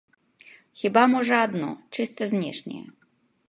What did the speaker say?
Хіба можа адно, чыста знешняе.